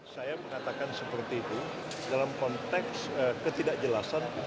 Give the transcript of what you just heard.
saya mengatakan seperti itu dalam konteks ketidakjelasan